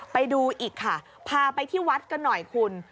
ไปดูอีกค่ะพาไปที่วัดกันหน่อยคุณ